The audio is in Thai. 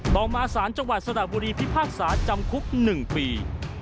ต่อมาสารจังหวัดสระบุรีพิพากษาจำคุก๑ปี